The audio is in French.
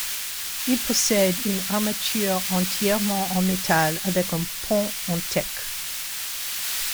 Il possède une armature entièrement en métal avec un pont en teck.